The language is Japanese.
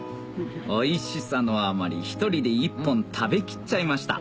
おいしさのあまり１人で１本食べ切っちゃいました